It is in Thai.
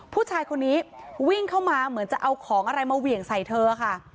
ผู้ชายคนนี้วิ่งเข้ามาเหมือนจะเอาของอะไรมาเหวี่ยงใส่เธอค่ะ